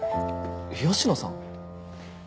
吉野さん？